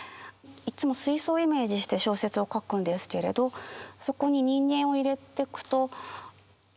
いつも水槽をイメージして小説を書くんですけれどそこに人間を入れてくと。